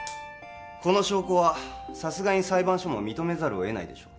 この証拠はさすがに裁判所も認めざるを得ないでしょう